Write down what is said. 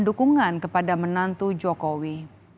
dukungan kepada menantu jokowi